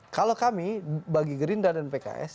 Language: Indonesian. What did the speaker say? kalau kami bagi gerindra dan pks